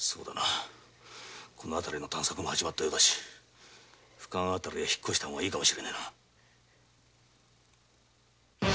この辺りの探索も始まったようだし深川辺りへ引っ越した方がいいかも知れねえな。